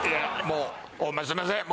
もうホンマすいません。